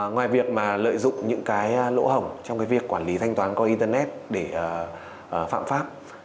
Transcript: ngoài việc mà lợi dụng những cái lỗ hỏng trong cái việc quản lý thanh toán qua internet để phạm pháp